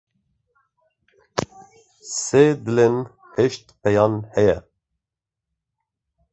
Sê dilên heştpêyan heye.